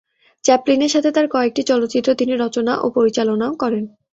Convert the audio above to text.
চ্যাপলিনের সাথে তার কয়েকটি চলচ্চিত্র তিনি রচনা ও পরিচালনাও করেন।